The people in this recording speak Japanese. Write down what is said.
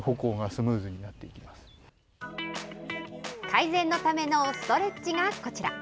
改善のためのストレッチがこちら。